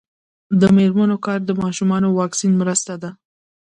د میرمنو کار د ماشومانو واکسین مرسته ده.